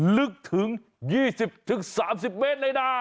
ลึกถึง๒๐๓๐เมตรในดาว